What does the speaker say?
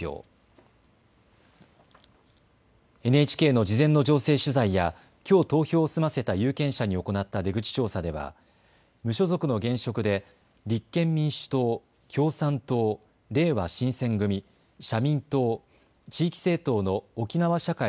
ＮＨＫの事前の情勢取材やきょう投票を済ませた有権者に行った出口調査では、無所属の現職で立憲民主党、共産党、れいわ新選組、社民党、地域政党の沖縄社会